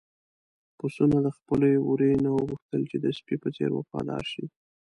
پسونو د خپل وري نه وغوښتل چې د سپي په څېر وفادار شي.